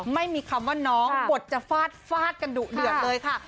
ไม่มีคำว่าน้องบทจะฟาดฟาดกันดุเดือดเลยค่ะ